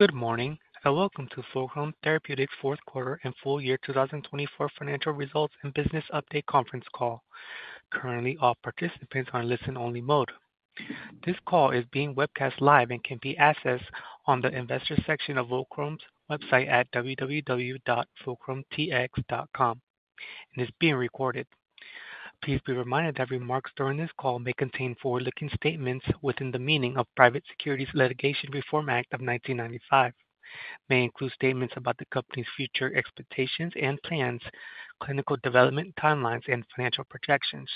Good morning. Welcome to Fulcrum Therapeutics' Fourth Quarter and Full Year 2024 Financial Results and Business Update Conference Call. Currently, all participants are in listen-only mode. This call is being webcast live and can be accessed on the investor section of Fulcrum's website at www.fulcrumtx.com, and it's being recorded. Please be reminded that remarks during this call may contain forward-looking statements within the meaning of Private Securities Litigation Reform Act of 1995. They may include statements about the company's future expectations and plans, clinical development timelines, and financial projections.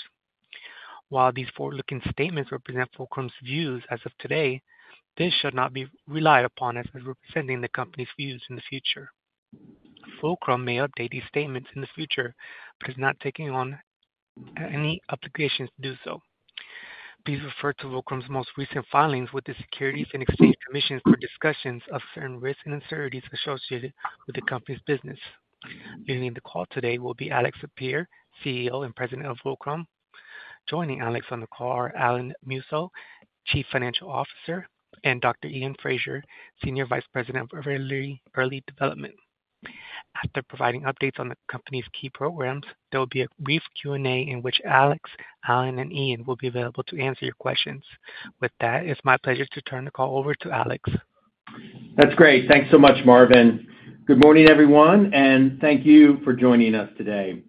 While these forward-looking statements represent Fulcrum's views as of today, this should not be relied upon as representing the company's views in the future. Fulcrum may update these statements in the future but is not taking on any obligations to do so. Please refer to Fulcrum's most recent filings with the Securities and Exchange Commission for discussions of certain risks and uncertainties associated with the company's business. Joining the call today will be Alex Sapir, CEO and President of Fulcrum. Joining Alex on the call are Alan Musso, Chief Financial Officer, and Dr. Iain Fraser, Senior Vice President of Early Development. After providing updates on the company's key programs, there will be a brief Q&A in which Alex, Alan, and Iain will be available to answer your questions. With that, it's my pleasure to turn the call over to Alex. That's great. Thanks so much, Marvin. Good morning, everyone, and thank you for joining us today.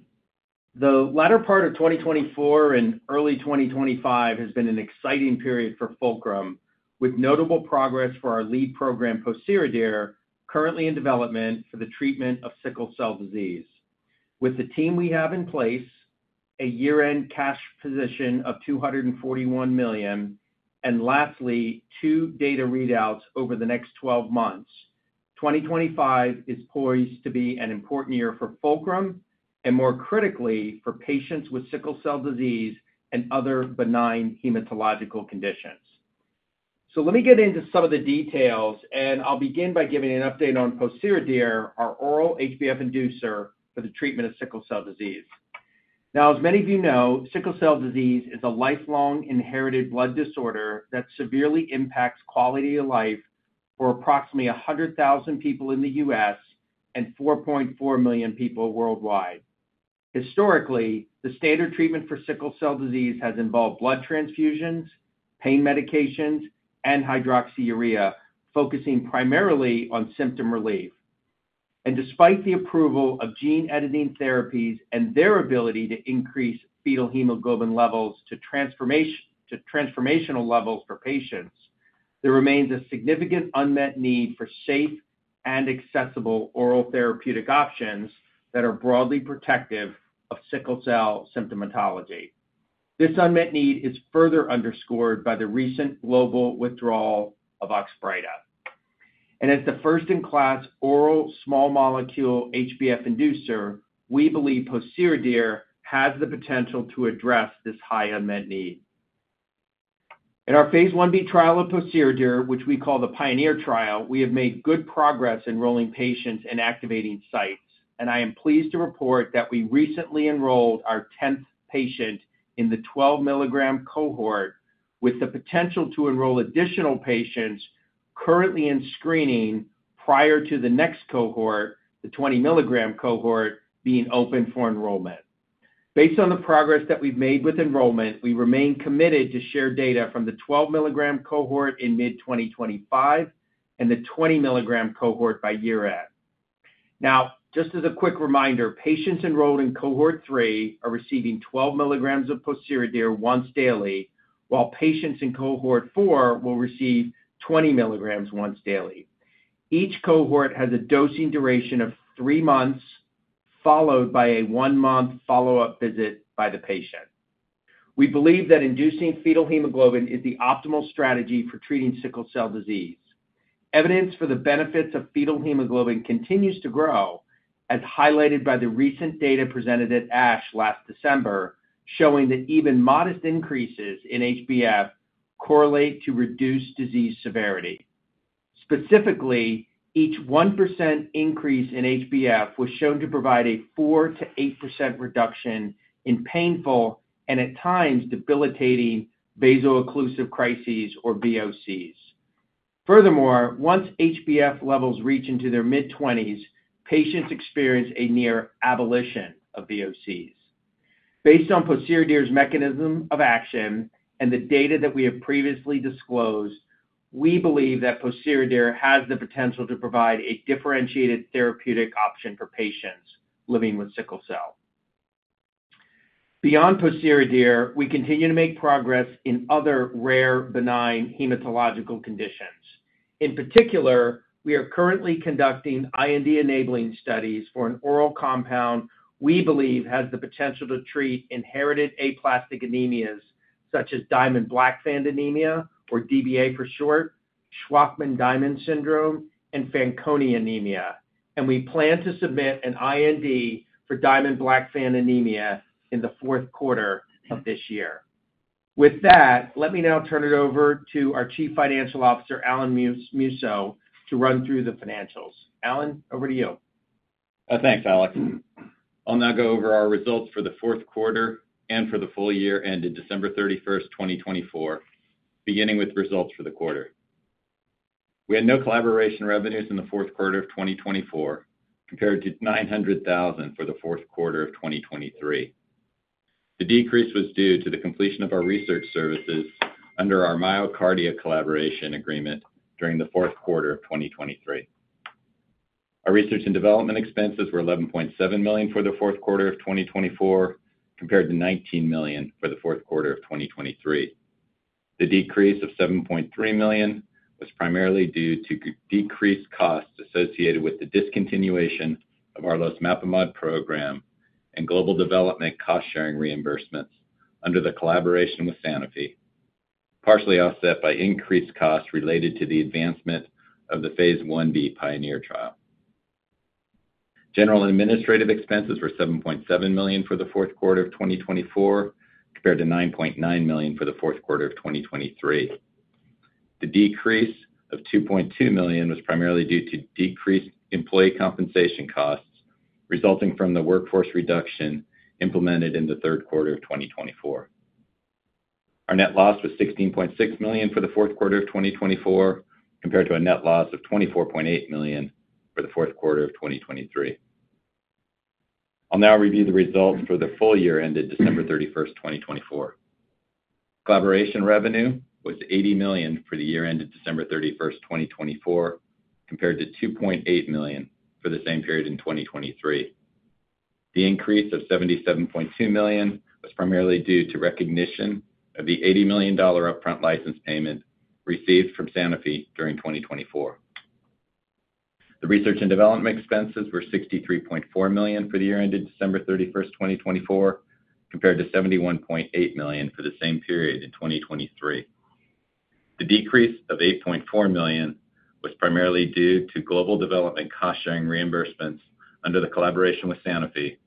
The latter part of 2024 and early 2025 has been an exciting period for Fulcrum, with notable progress for our lead program, Pociredir, currently in development for the treatment of sickle cell disease. With the team we have in place, a year-end cash position of $241 million, and lastly, two data readouts over the next 12 months, 2025 is poised to be an important year for Fulcrum and, more critically, for patients with sickle cell disease and other benign hematological conditions. So let me get into some of the details, and I'll begin by giving an update on Pociredir, our oral HbF inducer for the treatment of sickle cell disease. Now, as many of you know, sickle cell disease is a lifelong inherited blood disorder that severely impacts quality of life for approximately 100,000 people in the U.S. and 4.4 million people worldwide. Historically, the standard treatment for sickle cell disease has involved blood transfusions, pain medications, and hydroxyurea, focusing primarily on symptom relief. And despite the approval of gene editing therapies and their ability to increase fetal hemoglobin levels to transformational levels for patients, there remains a significant unmet need for safe and accessible oral therapeutic options that are broadly protective of sickle cell symptomatology. This unmet need is further underscored by the recent global withdrawal of Oxbryta. And as the first-in-class oral small-molecule HbF inducer, we believe pociredir has the potential to address this high unmet need. In our phase I-b trial of pociredir, which we call the PIONEER trial, we have made good progress enrolling patients and activating sites, and I am pleased to report that we recently enrolled our 10th patient in the 12-milligram cohort, with the potential to enroll additional patients currently in screening prior to the next cohort, the 20-milligram cohort, being open for enrollment. Based on the progress that we've made with enrollment, we remain committed to share data from the 12-milligram cohort in mid-2025 and the 20-milligram cohort by year-end. Now, just as a quick reminder, patients enrolled in cohort three are receiving 12 milligrams of pociredir once daily, while patients in cohort four will receive 20 milligrams once daily. Each cohort has a dosing duration of three months, followed by a one-month follow-up visit by the patient. We believe that inducing fetal hemoglobin is the optimal strategy for treating sickle cell disease. Evidence for the benefits of fetal hemoglobin continues to grow, as highlighted by the recent data presented at ASH last December, showing that even modest increases in HbF correlate to reduced disease severity. Specifically, each 1% increase in HbF was shown to provide a 4%-8% reduction in painful and, at times, debilitating vaso-occlusive crises, or VOCs. Furthermore, once HbF levels reach into their mid-20s, patients experience a near abolition of VOCs. Based on pociredir's mechanism of action and the data that we have previously disclosed, we believe that pociredir has the potential to provide a differentiated therapeutic option for patients living with sickle cell. Beyond pociredir, we continue to make progress in other rare benign hematological conditions. In particular, we are currently conducting IND-enabling studies for an oral compound we believe has the potential to treat inherited aplastic anemias, such as Diamond-Blackfan Anemia, or DBA for short, Shwachman-Diamond Syndrome, and Fanconi Anemia. And we plan to submit an IND for Diamond-Blackfan Anemia in the fourth quarter of this year. With that, let me now turn it over to our Chief Financial Officer, Alan Musso, to run through the financials. Alan, over to you. Thanks, Alex. I'll now go over our results for the fourth quarter and for the full year ended December 31st, 2024, beginning with results for the quarter. We had no collaboration revenues in the fourth quarter of 2024, compared to $900,000 for the fourth quarter of 2023. The decrease was due to the completion of our research services under our MyoKardia Collaboration Agreement during the fourth quarter of 2023. Our research and development expenses were $11.7 million for the fourth quarter of 2024, compared to $19 million for the fourth quarter of 2023. The decrease of $7.3 million was primarily due to decreased costs associated with the discontinuation of our Losmapimod Program and global development cost-sharing reimbursements under the collaboration with Sanofi, partially offset by increased costs related to the advancement of the phase I-b PIONEER trial. General administrative expenses were $7.7 million for the fourth quarter of 2024, compared to $9.9 million for the fourth quarter of 2023. The decrease of $2.2 million was primarily due to decreased employee compensation costs resulting from the workforce reduction implemented in the third quarter of 2024. Our net loss was $16.6 million for the fourth quarter of 2024, compared to a net loss of $24.8 million for the fourth quarter of 2023. I'll now review the results for the full year ended December 31st, 2024. Collaboration revenue was $80 million for the year ended December 31st, 2024, compared to $2.8 million for the same period in 2023. The increase of $77.2 million was primarily due to recognition of the $80 million upfront license payment received from Sanofi during 2024. The research and development expenses were $63.4 million for the year ended December 31st, 2024, compared to $71.8 million for the same period in 2023. The decrease of $8.4 million was primarily due to global development cost-sharing reimbursements under the collaboration with Sanofi,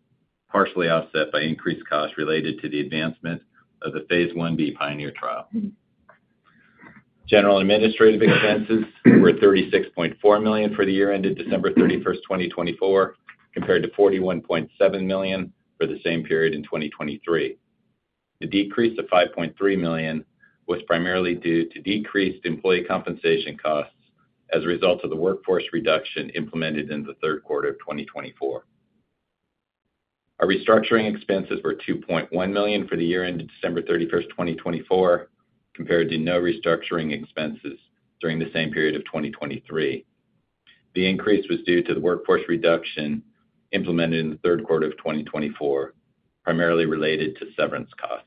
partially offset by increased costs related to the advancement of the phase I-b PIONEER trial. General administrative expenses were $36.4 million for the year ended December 31st, 2024, compared to $41.7 million for the same period in 2023. The decrease of $5.3 million was primarily due to decreased employee compensation costs as a result of the workforce reduction implemented in the third quarter of 2024. Our restructuring expenses were $2.1 million for the year ended December 31st, 2024, compared to no restructuring expenses during the same period of 2023. The increase was due to the workforce reduction implemented in the third quarter of 2024, primarily related to severance costs.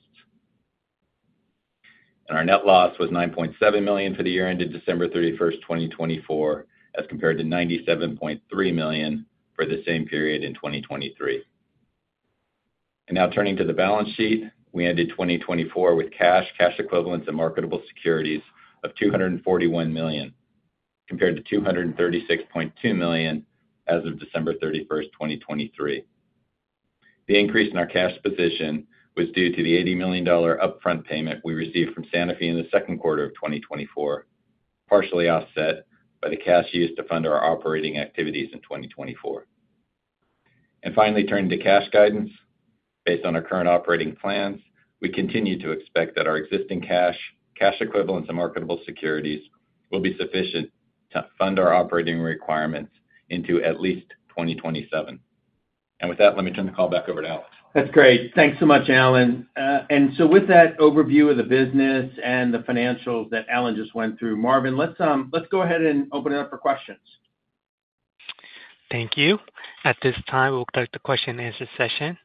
Our net loss was $9.7 million for the year ended December 31st, 2024, as compared to $97.3 million for the same period in 2023. Now turning to the balance sheet, we ended 2024 with cash, cash equivalents, and marketable securities of $241 million, compared to $236.2 million as of December 31st, 2023. The increase in our cash position was due to the $80 million upfront payment we received from Sanofi in the second quarter of 2024, partially offset by the cash used to fund our operating activities in 2024. Finally, turning to cash guidance, based on our current operating plans, we continue to expect that our existing cash, cash equivalents, and marketable securities will be sufficient to fund our operating requirements into at least 2027. With that, let me turn the call back over to Alex. That's great. Thanks so much, Alan. And so with that overview of the business and the financials that Alan just went through, Marvin, let's go ahead and open it up for questions. Thank you. At this time, we will conduct a question-and-answer session.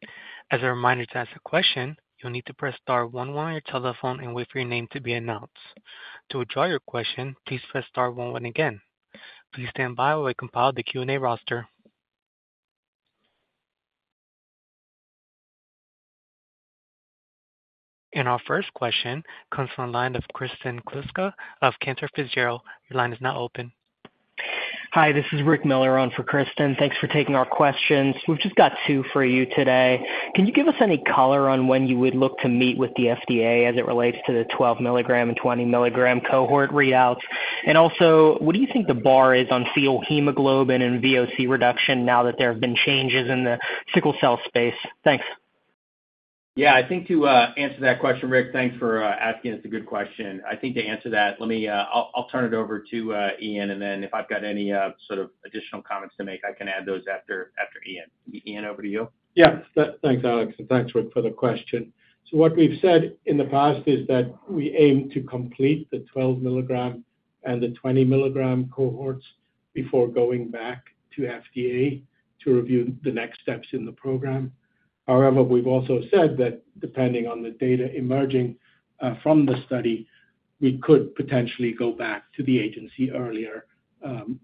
As a reminder to ask a question, you'll need to press star one one on your telephone and wait for your name to be announced. To withdraw your question, please press star one one again. Please stand by while I compile the Q&A roster, and our first question comes from the line of Kristen Kluska of Cantor Fitzgerald. Your line is now open. Hi, this is Rick Miller on for Kristen. Thanks for taking our questions. We've just got two for you today. Can you give us any color on when you would look to meet with the FDA as it relates to the 12-milligram and 20-milligram cohort readouts? And also, what do you think the bar is on fetal hemoglobin and VOC reduction now that there have been changes in the sickle cell space? Thanks. Yeah, I think to answer that question, Rick, thanks for asking. It's a good question. I think to answer that, let me, I'll turn it over to Iain, and then if I've got any sort of additional comments to make, I can add those after Iain. Iain, over to you. Yeah, thanks, Alex, and thanks, Rick, for the question. So what we've said in the past is that we aim to complete the 12-milligram and the 20-milligram cohorts before going back to FDA to review the next steps in the program. However, we've also said that depending on the data emerging from the study, we could potentially go back to the agency earlier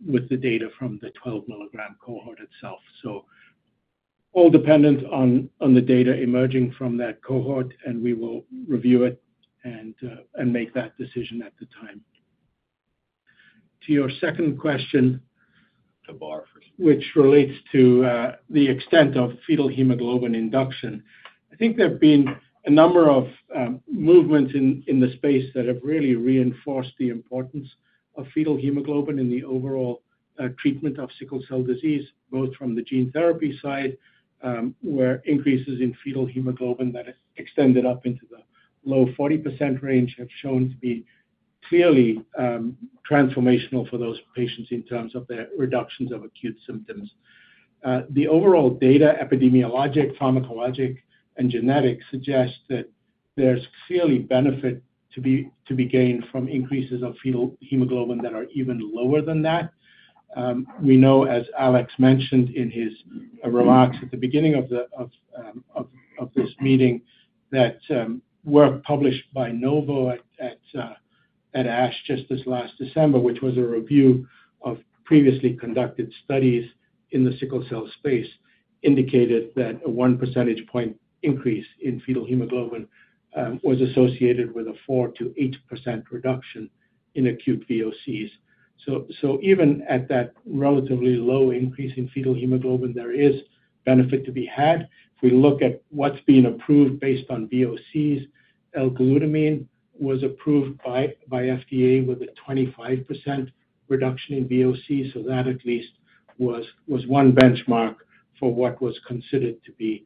with the data from the 12-milligram cohort itself. So all dependent on the data emerging from that cohort, and we will review it and make that decision at the time. To your second question, which relates to the extent of fetal hemoglobin induction, I think there have been a number of movements in the space that have really reinforced the importance of fetal hemoglobin in the overall treatment of sickle cell disease, both from the gene therapy side, where increases in fetal hemoglobin that extended up into the low 40% range have shown to be clearly transformational for those patients in terms of their reductions of acute symptoms. The overall data, epidemiologic, pharmacologic, and genetic, suggest that there's clearly benefit to be gained from increases of fetal hemoglobin that are even lower than that. We know, as Alex mentioned in his remarks at the beginning of this meeting, that work published by Novo Nordisk at ASH just this last December, which was a review of previously conducted studies in the sickle cell space, indicated that a one percentage point increase in fetal hemoglobin was associated with a 4%-8% reduction in acute VOCs. So even at that relatively low increase in fetal hemoglobin, there is benefit to be had. If we look at what's being approved based on VOCs, L-glutamine was approved by FDA with a 25% reduction in VOCs. So that at least was one benchmark for what was considered to be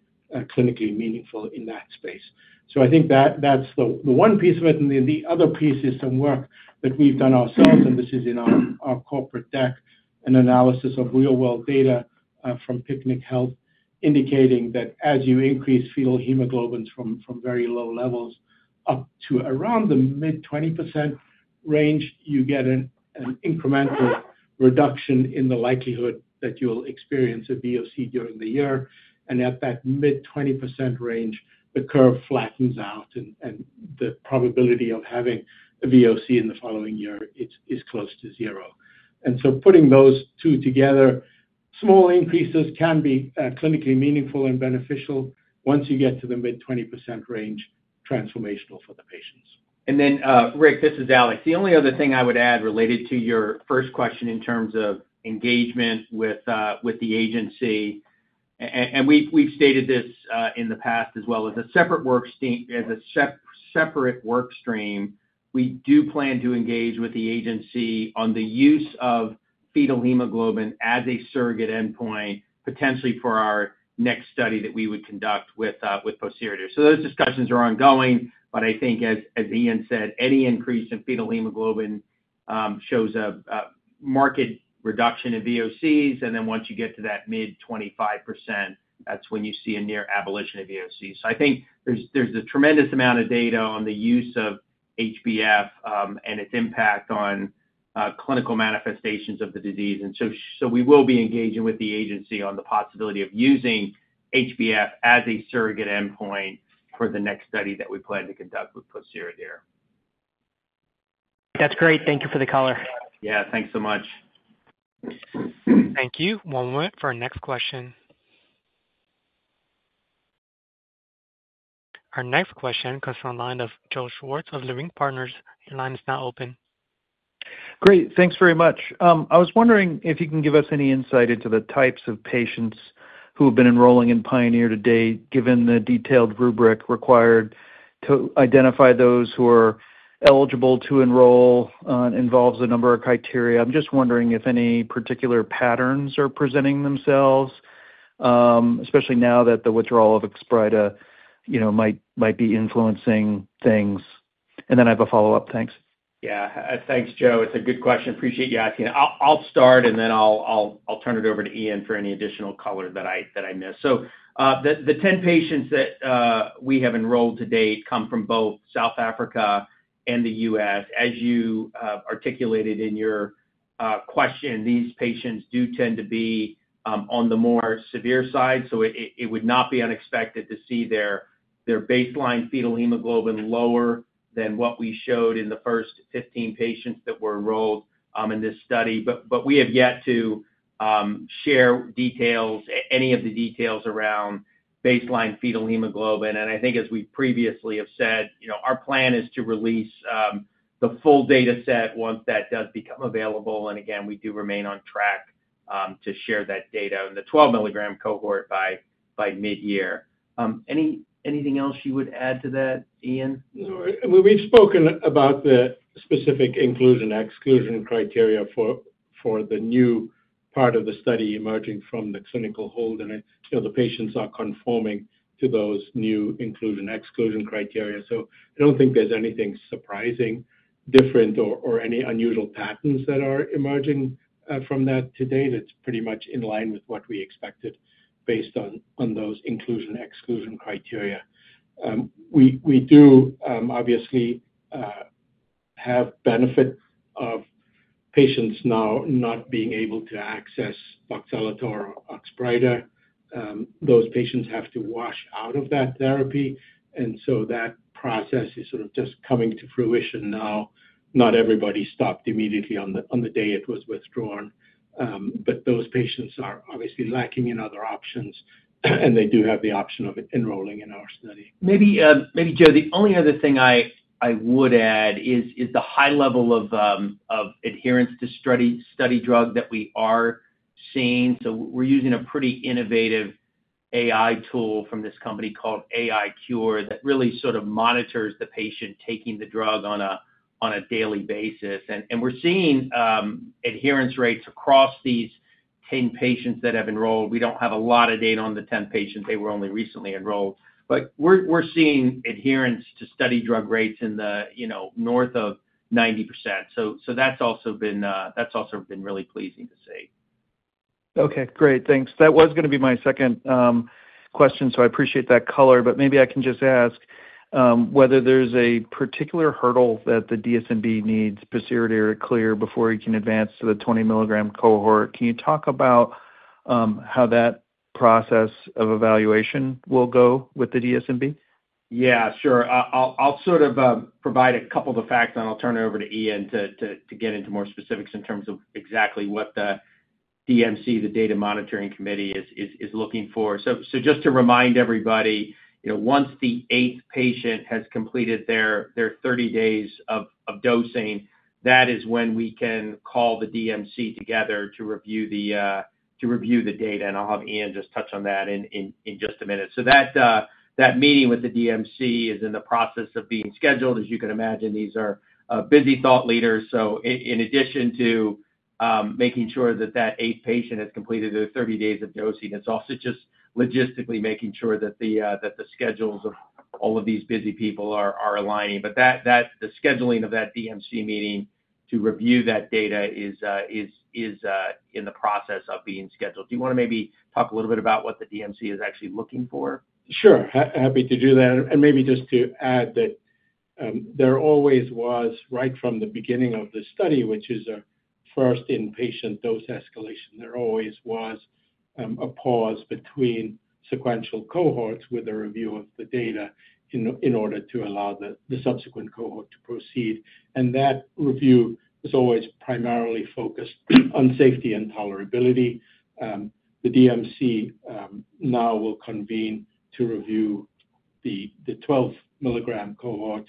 clinically meaningful in that space. So I think that's the one piece of it. And then the other piece is some work that we've done ourselves, and this is in our corporate deck, an analysis of real-world data from PicnicHealth, indicating that as you increase fetal hemoglobins from very low levels up to around the mid-20% range, you get an incremental reduction in the likelihood that you'll experience a VOC during the year. And at that mid-20% range, the curve flattens out, and the probability of having a VOC in the following year is close to zero. And so putting those two together, small increases can be clinically meaningful and beneficial once you get to the mid-20% range, transformational for the patients. And then, Rick, this is Alex. The only other thing I would add related to your first question in terms of engagement with the agency, and we've stated this in the past as well as a separate work stream, we do plan to engage with the agency on the use of fetal hemoglobin as a surrogate endpoint, potentially for our next study that we would conduct with pociredir. So those discussions are ongoing, but I think, as Iain said, any increase in fetal hemoglobin shows a marked reduction in VOCs. And then once you get to that mid-25%, that's when you see a near abolition of VOCs. So I think there's a tremendous amount of data on the use of HbF and its impact on clinical manifestations of the disease. We will be engaging with the agency on the possibility of using HbF as a surrogate endpoint for the next study that we plan to conduct with pociredir. That's great. Thank you for the color. Yeah, thanks so much. Thank you. One moment for our next question. Our next question comes from the line of Joe Schwartz of Leerink Partners. Your line is now open. Great. Thanks very much. I was wondering if you can give us any insight into the types of patients who have been enrolling in PIONEER to date, given the detailed rubric required to identify those who are eligible to enroll. It involves a number of criteria. I'm just wondering if any particular patterns are presenting themselves, especially now that the withdrawal of Oxbryta might be influencing things, and then I have a follow-up. Thanks. Yeah, thanks, Joe. It's a good question. Appreciate you asking. I'll start, and then I'll turn it over to Iain for any additional color that I miss. So the 10 patients that we have enrolled to date come from both South Africa and the U.S. As you articulated in your question, these patients do tend to be on the more severe side. So it would not be unexpected to see their baseline fetal hemoglobin lower than what we showed in the first 15 patients that were enrolled in this study. But we have yet to share details, any of the details around baseline fetal hemoglobin, and I think, as we previously have said, you know, our plan is to release the full data set once that does become available. And again, we do remain on track to share that data in the 12-milligram cohort by mid-year. Anything else you would add to that, Iain? We've spoken about the specific inclusion/exclusion criteria for the new part of the study emerging from the clinical hold, and the patients are conforming to those new inclusion/exclusion criteria, so I don't think there's anything surprising, different, or any unusual patterns that are emerging from that to date. It's pretty much in line with what we expected based on those inclusion/exclusion criteria. We do obviously have benefit of patients now not being able to access Oxbryta. Those patients have to wash out of that therapy, and so that process is sort of just coming to fruition now. Not everybody stopped immediately on the day it was withdrawn, but those patients are obviously lacking in other options, and they do have the option of enrolling in our study. Maybe, Joe, the only other thing I would add is the high level of adherence to study drug that we are seeing. So we're using a pretty innovative AI tool from this company called AiCure that really sort of monitors the patient taking the drug on a daily basis, and we're seeing adherence rates across these 10 patients that have enrolled. We don't have a lot of data on the 10 patients. They were only recently enrolled. But we're seeing adherence to study drug rates in the north of 90%. So that's also been really pleasing to see. Okay, great. Thanks. That was going to be my second question, so I appreciate that color. But maybe I can just ask whether there's a particular hurdle that the DSMB needs pociredir to clear before you can advance to the 20-milligram cohort. Can you talk about how that process of evaluation will go with the DSMB? Yeah, sure. I'll sort of provide a couple of facts, and I'll turn it over to Iain to get into more specifics in terms of exactly what the DMC, the Data Monitoring Committee, is looking for. So just to remind everybody, once the eighth patient has completed their 30 days of dosing, that is when we can call the DMC together to review the data, and I'll have Iain just touch on that in just a minute. So that meeting with the DMC is in the process of being scheduled. As you can imagine, these are busy thought leaders. So in addition to making sure that that eighth patient has completed their 30 days of dosing, it's also just logistically making sure that the schedules of all of these busy people are aligning. But the scheduling of that DMC meeting to review that data is in the process of being scheduled. Do you want to maybe talk a little bit about what the DMC is actually looking for? Sure. Happy to do that, and maybe just to add that there always was, right from the beginning of the study, which is a first in patient dose escalation, there always was a pause between sequential cohorts with a review of the data in order to allow the subsequent cohort to proceed. And that review is always primarily focused on safety and tolerability. The DMC now will convene to review the 12-milligram cohort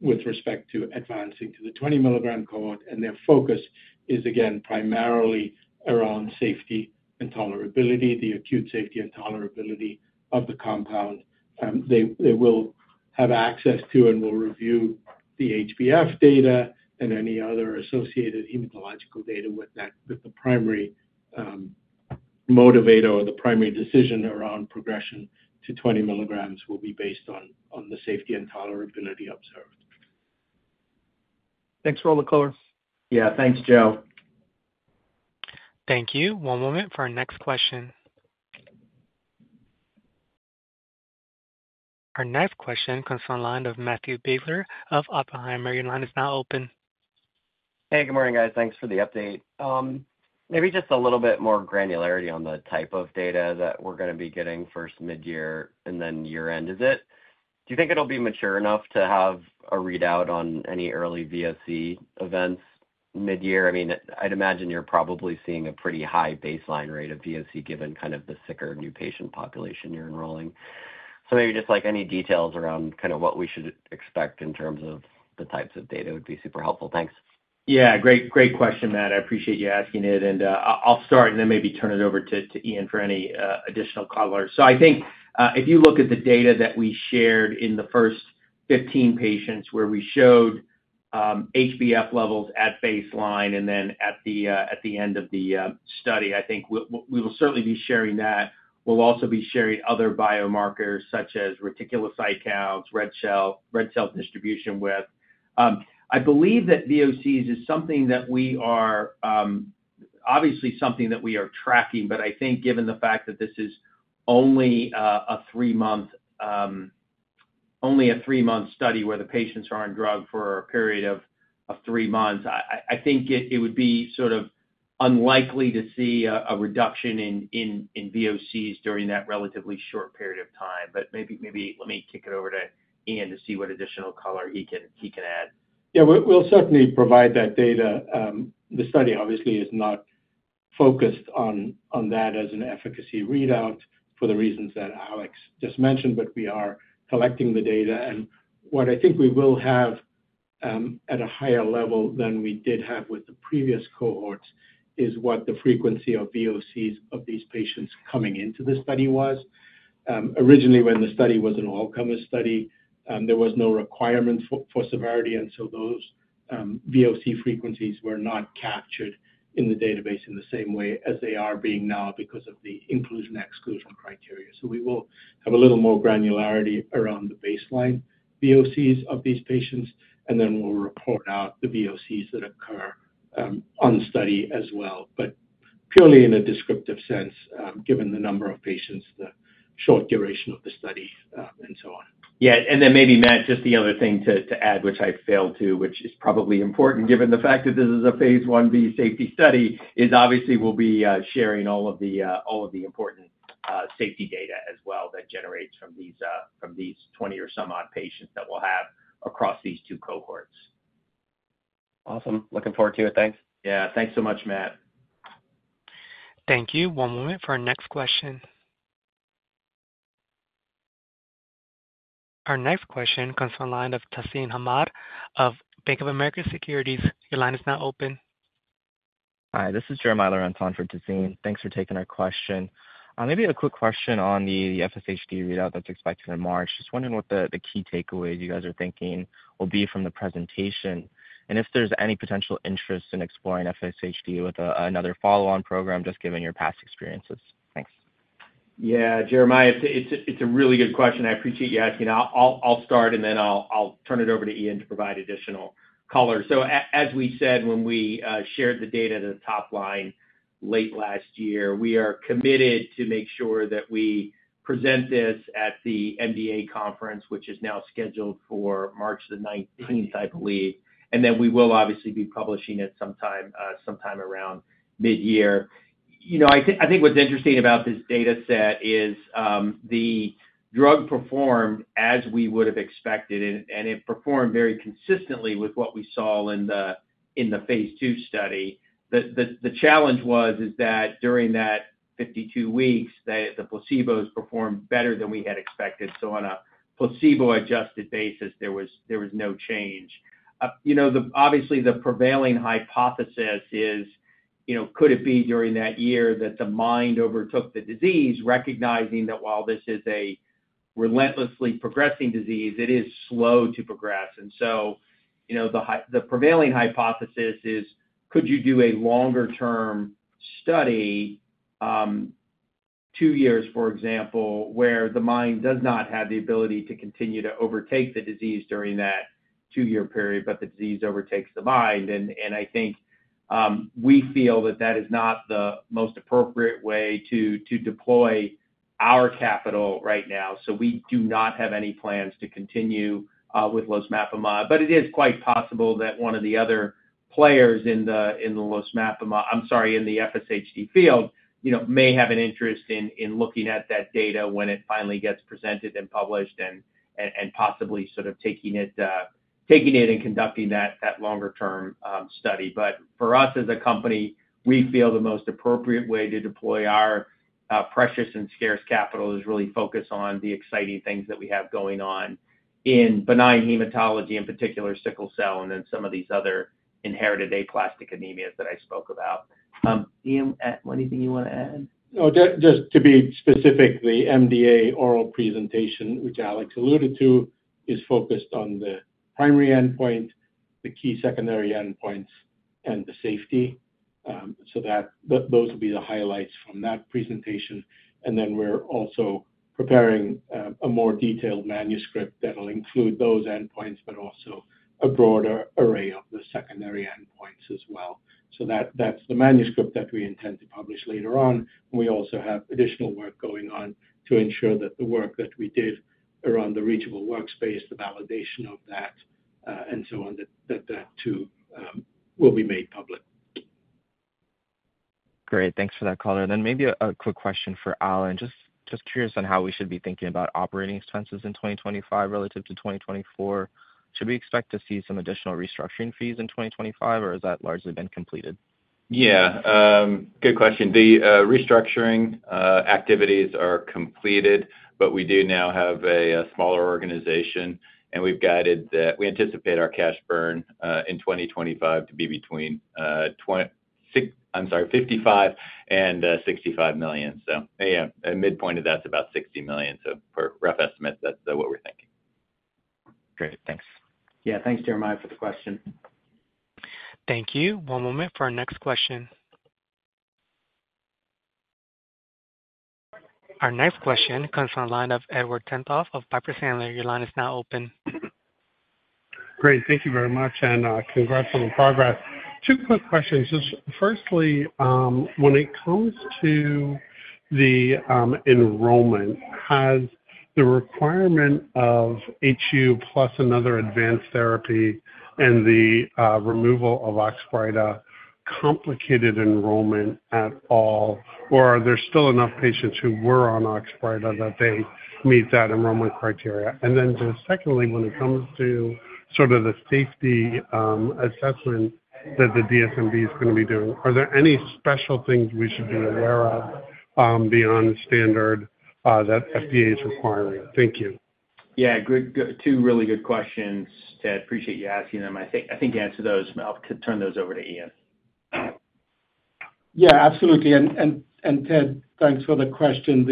with respect to advancing to the 20-milligram cohort, and their focus is, again, primarily around safety and tolerability, the acute safety and tolerability of the compound. They will have access to and will review the HbF data and any other associated hematological data, with the primary motivator or the primary decision around progression to 20 milligrams will be based on the safety and tolerability observed. Thanks for all the colors. Yeah, thanks, Joe. Thank you. One moment for our next question. Our next question comes from the line of Matthew Biegler of Oppenheimer. Your line is now open. Hey, good morning, guys. Thanks for the update. Maybe just a little bit more granularity on the type of data that we're going to be getting first mid-year and then year-end. Do you think it'll be mature enough to have a readout on any early VOC events mid-year? I mean, I'd imagine you're probably seeing a pretty high baseline rate of VOC given kind of the sicker new patient population you're enrolling. So maybe just any details around kind of what we should expect in terms of the types of data would be super helpful. Thanks. Yeah, great question, Matt. I appreciate you asking it, and I'll start and then maybe turn it over to Iain for any additional color, so I think if you look at the data that we shared in the first 15 patients where we showed HbF levels at baseline and then at the end of the study, I think we will certainly be sharing that. We'll also be sharing other biomarkers such as reticulocyte counts, red cell distribution width. I believe that VOCs is something that we are obviously tracking. But I think given the fact that this is only a three-month study where the patients are on drug for a period of three months, I think it would be sort of unlikely to see a reduction in VOCs during that relatively short period of time. But maybe let me kick it over to Iain to see what additional color he can add. Yeah, we'll certainly provide that data. The study obviously is not focused on that as an efficacy readout for the reasons that Alex just mentioned. But we are collecting the data. And what I think we will have at a higher level than we did have with the previous cohorts is what the frequency of VOCs of these patients coming into the study was. Originally, when the study was an all-comers study, there was no requirement for severity, and so those VOC frequencies were not captured in the database in the same way as they are being now because of the inclusion/exclusion criteria. So we will have a little more granularity around the baseline VOCs of these patients. Then we'll report out the VOCs that occur on study as well, but purely in a descriptive sense, given the number of patients, the short duration of the study, and so on. Yeah. And then maybe, Matt, just the other thing to add, which I failed to, which is probably important given the fact that this is a phase I-b safety study, is obviously we'll be sharing all of the important safety data as well that generates from these 20 or some odd patients that we'll have across these two cohorts. Awesome. Looking forward to it. Thanks. Yeah. Thanks so much, Matt. Thank you. One moment for our next question. Our next question comes from the line of Tazeen Ahmad of Bank of America Securities. Your line is now open. Hi, this is Jeremiah Lorentz on for Tazeen. Thanks for taking our question. Maybe a quick question on the FSHD readout that's expected in March. Just wondering what the key takeaways you guys are thinking will be from the presentation, and if there's any potential interest in exploring FSHD with another follow-on program, just given your past experiences. Thanks. Yeah, Jeremiah, it's a really good question. I appreciate you asking. I'll start, and then I'll turn it over to Iain to provide additional color. So as we said when we shared the data to the top line late last year, we are committed to make sure that we present this at the MDA conference, which is now scheduled for March the 19th, I believe. And then we will obviously be publishing it sometime around mid-year. I think what's interesting about this data set is the drug performed as we would have expected, and it performed very consistently with what we saw in the phase II study. The challenge was that during that 52 weeks, the placebos performed better than we had expected. So on a placebo-adjusted basis, there was no change. Obviously, the prevailing hypothesis is, could it be during that year that the mind overtook the disease, recognizing that while this is a relentlessly progressing disease, it is slow to progress? And so the prevailing hypothesis is, could you do a longer-term study, two years, for example, where the mind does not have the ability to continue to overtake the disease during that two-year period, but the disease overtakes the mind? And I think we feel that that is not the most appropriate way to deploy our capital right now. So we do not have any plans to continue with losmapimod. But it is quite possible that one of the other players in the losmapimod—I'm sorry, in the FSHD field—may have an interest in looking at that data when it finally gets presented and published and possibly sort of taking it and conducting that longer-term study. But for us as a company, we feel the most appropriate way to deploy our precious and scarce capital is really focus on the exciting things that we have going on in benign hematology, in particular sickle cell, and then some of these other inherited aplastic anemias that I spoke about. Iain, anything you want to add? No, just to be specific, the MDA oral presentation, which Alex alluded to, is focused on the primary endpoint, the key secondary endpoints, and the safety. So those will be the highlights from that presentation. And then we're also preparing a more detailed manuscript that will include those endpoints, but also a broader array of the secondary endpoints as well. So that's the manuscript that we intend to publish later on. We also have additional work going on to ensure that the work that we did around the reachable workspace, the validation of that, and so on, that that too will be made public. Great. Thanks for that color. And then maybe a quick question for Alan. Just curious on how we should be thinking about operating expenses in 2025 relative to 2024. Should we expect to see some additional restructuring fees in 2025, or has that largely been completed? Yeah. Good question. The restructuring activities are completed, but we do now have a smaller organization. We've guided that we anticipate our cash burn in 2025 to be between—I'm sorry—$55 million and $65 million. So yeah, midpoint of that's about $60 million. So rough estimate, that's what we're thinking. Great. Thanks. Yeah. Thanks, Jeremiah, for the question. Thank you. One moment for our next question. Our next question comes from the line of Edward Tenthoff of Piper Sandler. Your line is now open. Great. Thank you very much. And congrats on the progress. Two quick questions. Firstly, when it comes to the enrollment, has the requirement of HU plus another advanced therapy and the removal of Oxbryta complicated enrollment at all? Or are there still enough patients who were on Oxbryta that they meet that enrollment criteria? And then secondly, when it comes to sort of the safety assessment that the DSMB is going to be doing, are there any special things we should be aware of beyond the standard that FDA is requiring? Thank you. Yeah. Two really good questions, Ted. Appreciate you asking them. I think you answered those. I'll turn those over to Iain. Yeah, absolutely. And Ted, thanks for the question.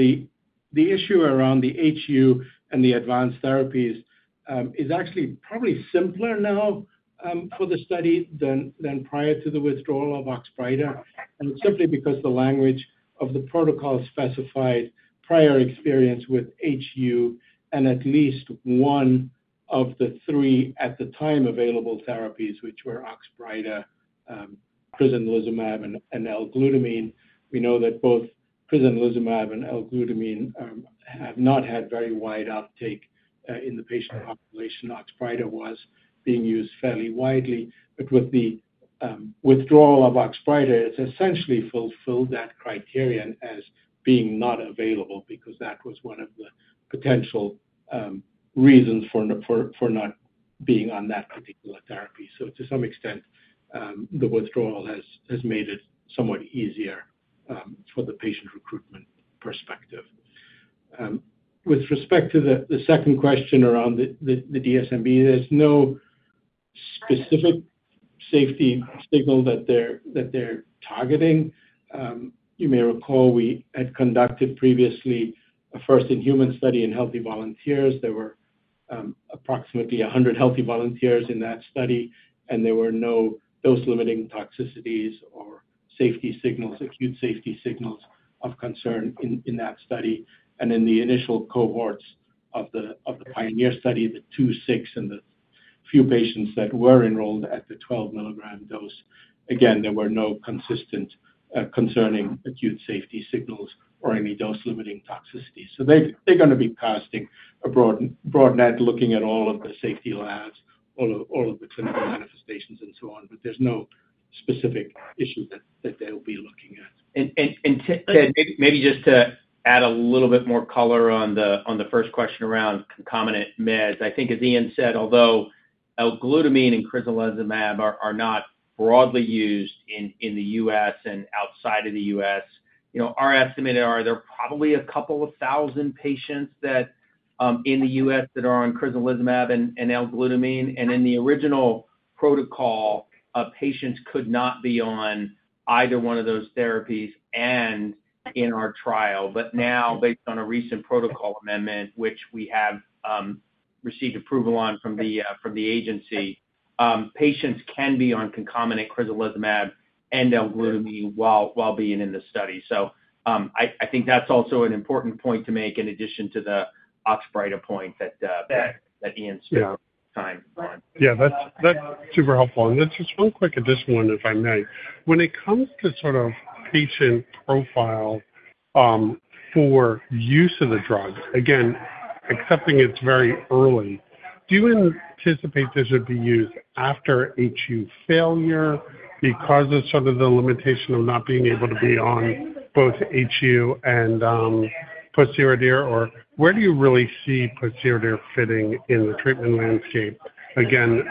The issue around the HU and the advanced therapies is actually probably simpler now for the study than prior to the withdrawal of Oxbryta. And it's simply because the language of the protocol specified prior experience with HU and at least one of the three at the time available therapies, which were Oxbryta, crizanlizumab, and L-glutamine. We know that both crizanlizumab and L-glutamine have not had very wide uptake in the patient population. Oxbryta was being used fairly widely. But with the withdrawal of Oxbryta, it's essentially fulfilled that criterion as being not available because that was one of the potential reasons for not being on that particular therapy. So to some extent, the withdrawal has made it somewhat easier for the patient recruitment perspective. With respect to the second question around the DSMB, there's no specific safety signal that they're targeting. You may recall we had conducted previously a first-in-human study in healthy volunteers. There were approximately 100 healthy volunteers in that study, and there were no dose-limiting toxicities or safety signals, acute safety signals of concern in that study, and in the initial cohorts of the PIONEER study, the two, six, and the few patients that were enrolled at the 12-milligram dose, again, there were no consistent concerning acute safety signals or any dose-limiting toxicities, so they're going to be casting a broad net looking at all of the safety labs, all of the clinical manifestations, and so on, but there's no specific issue that they'll be looking at. Ted, maybe just to add a little bit more color on the first question around concomitant meds. I think, as Iain said, although L-glutamine and crizanlizumab are not broadly used in the U.S. and outside of the U.S., our estimate is there are probably a couple of thousand patients in the U.S. that are on crizanlizumab and L-glutamine, and in the original protocol, patients could not be on either one of those therapies in our trial. But now, based on a recent protocol amendment, which we have received approval on from the agency, patients can be on concomitant crizanlizumab and L-glutamine while being in the study. So I think that's also an important point to make in addition to the Oxbryta point that Iain spent time on. Yeah. That's super helpful. And just one quick additional one, if I may. When it comes to sort of patient profile for use of the drug, again, accepting it's very early, do you anticipate this would be used after HU failure because of sort of the limitation of not being able to be on both HU and pociredir? Or where do you really see pociredir fitting in the treatment landscape? Again,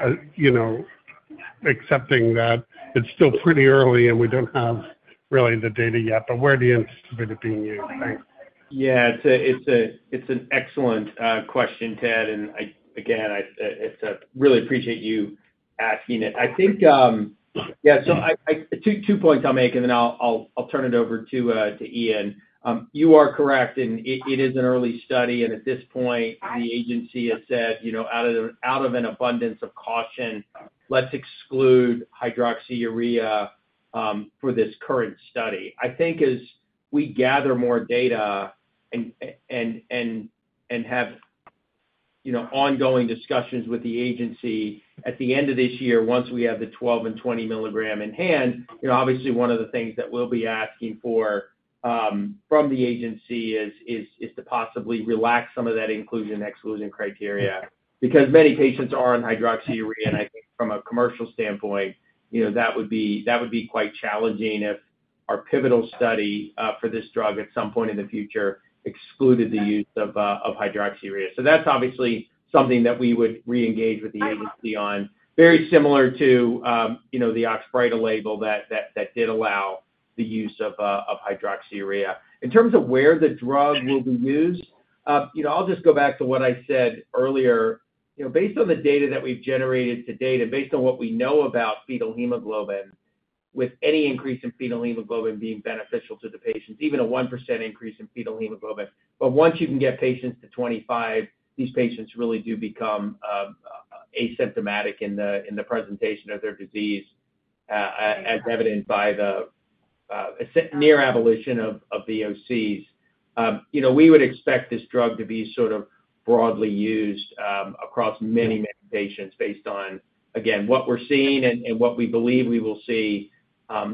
accepting that it's still pretty early and we don't have really the data yet. But where do you anticipate it being used? Thanks. Yeah. It's an excellent question, Ted. And again, I really appreciate you asking it. I think, yeah, so two points I'll make, and then I'll turn it over to Iain. You are correct. And it is an early study. And at this point, the agency has said, out of an abundance of caution, let's exclude hydroxyurea for this current study. I think as we gather more data and have ongoing discussions with the agency at the end of this year, once we have the 12 and 20 milligram in hand, obviously, one of the things that we'll be asking for from the agency is to possibly relax some of that inclusion/exclusion criteria. Because many patients are on hydroxyurea, and I think from a commercial standpoint, that would be quite challenging if our pivotal study for this drug at some point in the future excluded the use of hydroxyurea. So that's obviously something that we would reengage with the agency on, very similar to the Oxbryta label that did allow the use of hydroxyurea. In terms of where the drug will be used, I'll just go back to what I said earlier. Based on the data that we've generated to date and based on what we know about fetal hemoglobin, with any increase in fetal hemoglobin being beneficial to the patients, even a 1% increase in fetal hemoglobin. But once you can get patients to 25, these patients really do become asymptomatic in the presentation of their disease, as evidenced by the near-abolition of VOCs. We would expect this drug to be sort of broadly used across many, many patients based on, again, what we're seeing and what we believe we will see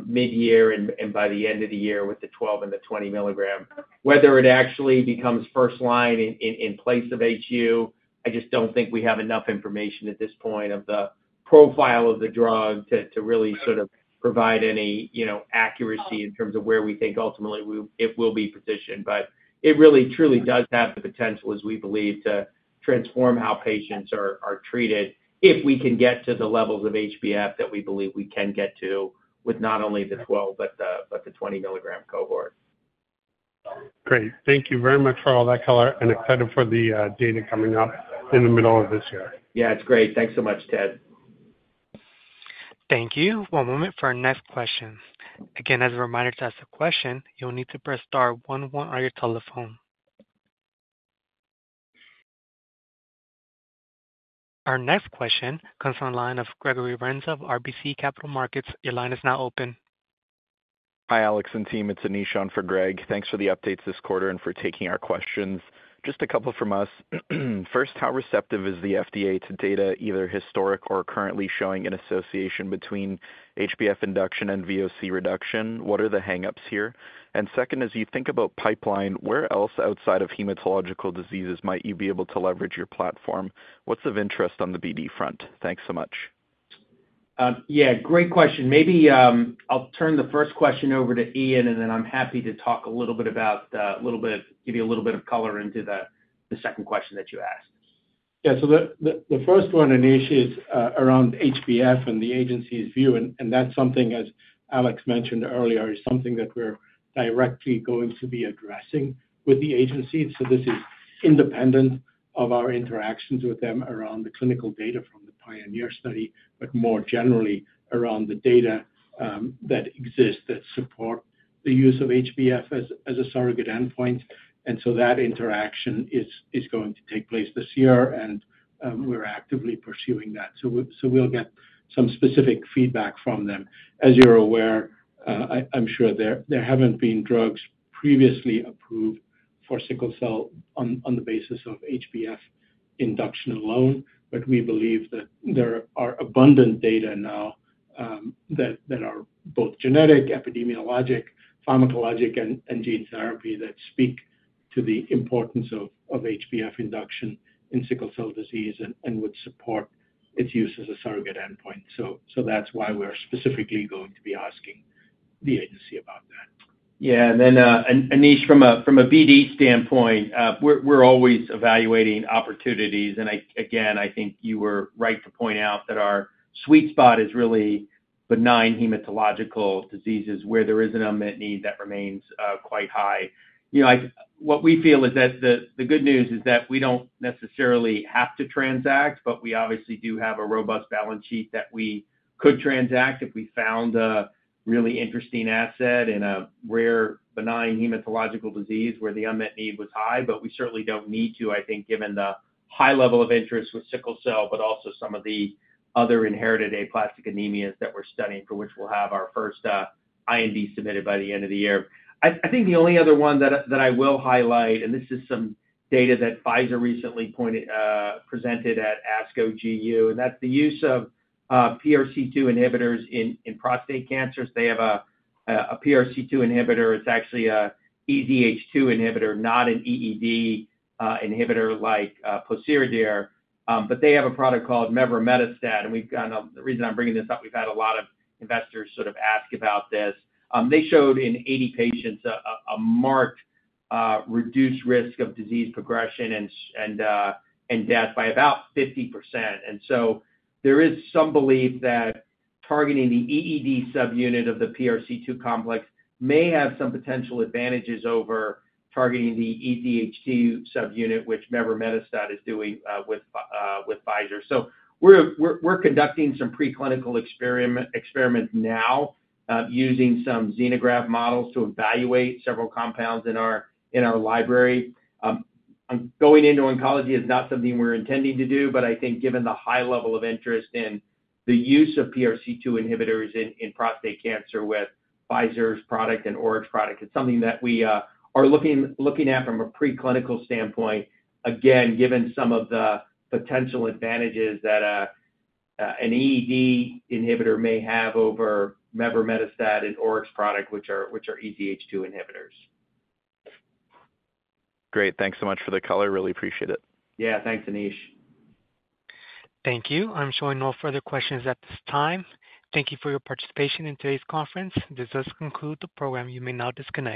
mid-year and by the end of the year with the 12 and the 20 milligram. Whether it actually becomes first line in place of HU, I just don't think we have enough information at this point of the profile of the drug to really sort of provide any accuracy in terms of where we think ultimately it will be positioned. But it really, truly does have the potential, as we believe, to transform how patients are treated if we can get to the levels of HbF that we believe we can get to with not only the 12 but the 20-milligram cohort. Great. Thank you very much for all that color, and excited for the data coming up in the middle of this year. Yeah. It's great. Thanks so much, Ted. Thank you. One moment for our next question. Again, as a reminder to ask the question, you'll need to press star one one on your telephone. Our next question comes from the line of Gregory Renza of RBC Capital Markets. Your line is now open. Hi, Alex and team. It's Anish for Greg. Thanks for the updates this quarter and for taking our questions. Just a couple from us. First, how receptive is the FDA to data either historic or currently showing an association between HbF induction and VOC reduction? What are the hangups here? And second, as you think about pipeline, where else outside of hematological diseases might you be able to leverage your platform? What's of interest on the BD front? Thanks so much. Yeah. Great question. Maybe I'll turn the first question over to Iain, and then I'm happy to talk a little bit about, give you a little bit of color into the second question that you asked. Yeah. The first one, Anish, is around HbF and the agency's view. That's something, as Alex mentioned earlier, that we're directly going to be addressing with the agency. This is independent of our interactions with them around the clinical data from the PIONEER study, but more generally around the data that exists that support the use of HbF as a surrogate endpoint. That interaction is going to take place this year, and we're actively pursuing that. We'll get some specific feedback from them. As you're aware, I'm sure there haven't been drugs previously approved for sickle cell on the basis of HbF induction alone. But we believe that there are abundant data now that are both genetic, epidemiologic, pharmacologic, and gene therapy that speak to the importance of HbF induction in sickle cell disease and would support its use as a surrogate endpoint. So that's why we're specifically going to be asking the agency about that. Yeah. And then, Anish, from a BD standpoint, we're always evaluating opportunities. And again, I think you were right to point out that our sweet spot is really benign hematological diseases where there is an unmet need that remains quite high. What we feel is that the good news is that we don't necessarily have to transact, but we obviously do have a robust balance sheet that we could transact if we found a really interesting asset in a rare benign hematological disease where the unmet need was high. But we certainly don't need to, I think, given the high level of interest with sickle cell, but also some of the other inherited aplastic anemias that we're studying for which we'll have our first IND submitted by the end of the year. I think the only other one that I will highlight, and this is some data that Pfizer recently presented at ASCO GU, and that's the use of PRC2 inhibitors in prostate cancers. They have a PRC2 inhibitor. It's actually an EZH2 inhibitor, not an EED inhibitor like pociredir. But they have a product called mevrometostat, and the reason I'm bringing this up, we've had a lot of investors sort of ask about this. They showed in 80 patients a marked reduced risk of disease progression and death by about 50%. And so there is some belief that targeting the EED subunit of the PRC2 complex may have some potential advantages over targeting the EZH2 subunit, which mevrometostat is doing with Pfizer. So we're conducting some preclinical experiments now using some xenograft models to evaluate several compounds in our library. Going into oncology is not something we're intending to do, but I think given the high level of interest in the use of PRC2 inhibitors in prostate cancer with Pfizer's product and ORIC product, it's something that we are looking at from a preclinical standpoint. Again, given some of the potential advantages that an EED inhibitor may have over mevrometostat and ORIC product, which are EZH2 inhibitors. Great. Thanks so much for the color. Really appreciate it. Yeah. Thanks, Anish. Thank you. I'm showing no further questions at this time. Thank you for your participation in today's conference. This does conclude the program. You may now disconnect.